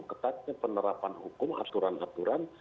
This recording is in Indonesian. ketatnya penerapan hukum aturan aturan